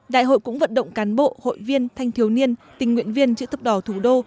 đại hội cũng vận động cán bộ hội viên thanh thiếu niên tình nguyện viên chữ thập đỏ thủ đô